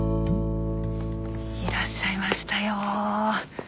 いらっしゃいましたよ。